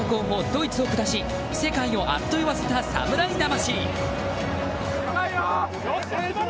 ドイツを下し世界をあっと言わせたサムライ魂。